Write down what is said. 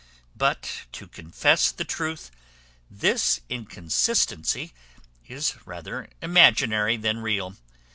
But to confess the truth, this inconsistency is rather imaginary than real.